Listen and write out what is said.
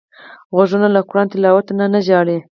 غوږونه له قران تلاوت نه ژاړي